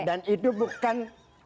dan itu bukan